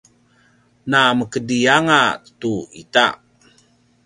na mekedri anga tu ita